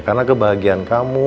karena kebahagiaan kamu